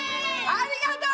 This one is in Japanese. ありがとう！